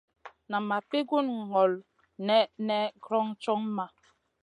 Nan ma pi gun ŋolo nèʼnèʼ kron co maʼa.